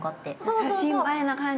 ◆写真映えな感じ？